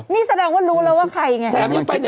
นี่แสดงว่ารู้แล้วว่าใครไง